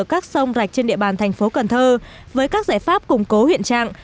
các sông rạch trên địa bàn thành phố cần thơ với các giải pháp củng cố hiện trạng